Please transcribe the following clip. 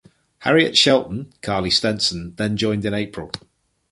Harriet Shelton (Carley Stenson) then joined in April.